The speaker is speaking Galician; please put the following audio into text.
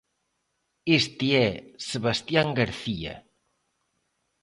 Este é Sebastián García.